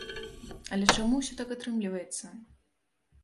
Але чаму ўсё так атрымліваецца?